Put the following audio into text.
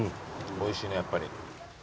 おいしいねやっぱり。